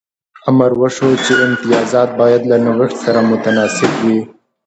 امر وشو چې امتیازات باید له نوښت سره متناسب وي